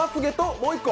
もう一個。